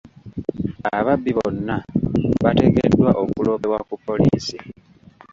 Ababbi bonna bateekeddwa okuloopebwa ku poliisi.